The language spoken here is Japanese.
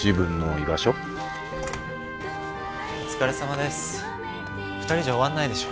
お疲れさまです。